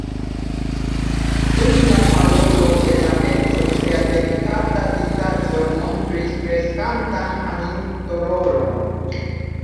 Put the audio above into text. Dum la parolo de la edzo ŝia delikata vizaĝo montris kreskantan animdoloron.